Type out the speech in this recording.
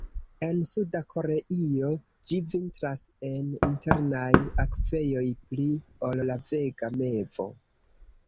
En Suda Koreio ĝi vintras en internaj akvejoj pli ol la Vega mevo.